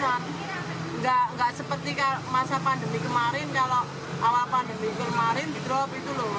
kalau awal pandemi kemarin di drop itu loh